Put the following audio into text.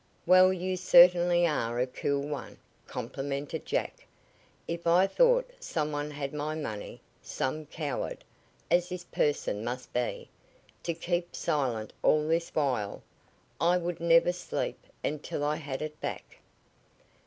"Well, you certainly are a cool one!" complimented Jack. "If I thought some one had my money some coward, as this person must be, to keep silent all this while I would never sleep until I had it back."